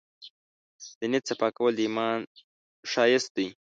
د نیت صفا کول د ایمان زینت دی.